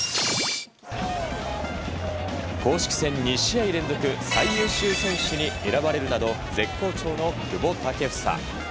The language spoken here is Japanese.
公式戦２試合連続最優秀選手に選ばれるなど絶好調の久保建英。